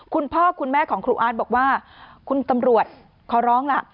คุณพ่อคุณแม่ของครูอาร์ตบอกว่าคุณตำรวจขอร้องล่ะ